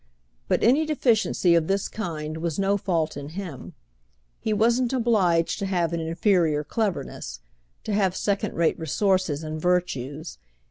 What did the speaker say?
But any deficiency of this kind was no fault in him: he wasn't obliged to have an inferior cleverness—to have second rate resources and virtues.